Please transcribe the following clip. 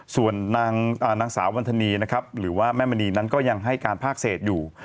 ส่วนนางสาววันธนีนะครับหรือว่าแม่มณีนั้นก็ยังให้การภาคเศษอยู่